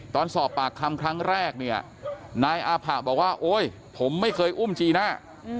ตอนสอบปากคำครั้งแรกเนี่ยนายอาผะบอกว่าโอ๊ยผมไม่เคยอุ้มจีน่า